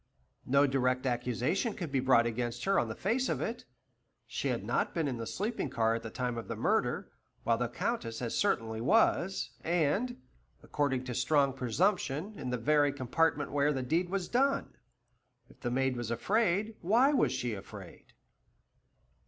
No direct accusation could be brought against her on the face of it. She had not been in the sleeping car at the time of the murder, while the Countess as certainly was; and, according to strong presumption, in the very compartment where the deed was done. If the maid was afraid, why was she afraid?